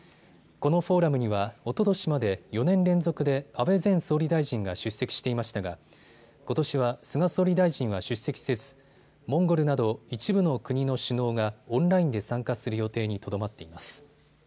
このフォーラムにはおととしまで４年連続で安倍前総理大臣が出席していましたがことしは菅総理大臣は出席せずモンゴルなど一部の国の首脳がオンラインで参加する予定にとどまっています。